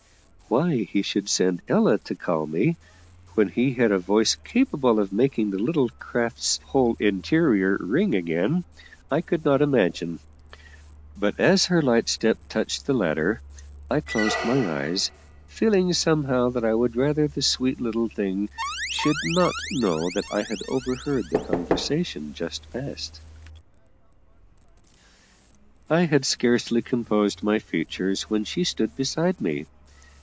Why he should send Ella to call me when he had a voice capable of making the little craft's whole interior ring again, I could not imagine; but as her light step touched the ladder I closed my eyes, feeling somehow that I would rather the sweet little thing should not know I had overheard the conversation just past. I had scarcely composed my features when she stood beside me.